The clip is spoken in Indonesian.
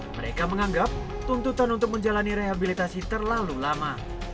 mereka menganggap tuntutan untuk menjalani rehabilitasi terlalu lama